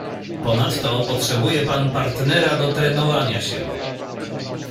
"Ponadto potrzebuje pan partnera do trenowania się."